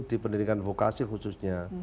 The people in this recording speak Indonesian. di pendidikan vokasi khususnya